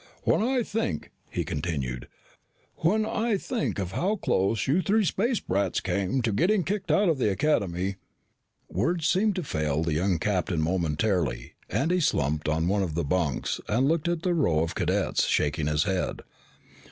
"When I think," he continued, "when I think of how close you three space brats came to getting kicked out of the Academy " Words seemed to fail the young captain momentarily and he slumped on one of the bunks and looked at the row of cadets, shaking his head.